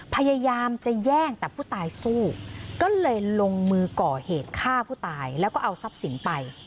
พยายามจะแย่งแต่ผู้ตายสู้ก็เลยลงมือก่อเหตุฆ่าผู้ตายแล้วก็เอาทรัพย์สินไป